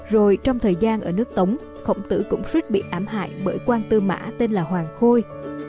rồi trong thời gian ở nước tống khổng tử cũng suýt bị ám hại bởi quan tư mã tên là hoàng khôi